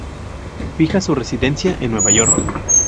Fija su residencia en Nueva York.